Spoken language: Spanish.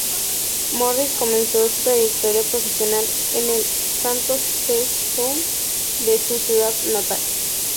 Morris comenzó su trayectoria profesional en el Santos Cape Town de su ciudad natal.